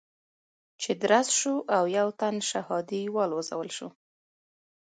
چې درز شو او يو تن شهادي والوزول شو.